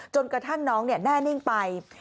จนกระทั่งน้องแน่นิ่งไป